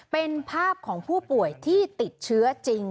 เป็นภาพของผู้ป่วยที่ติดเชื้อจริง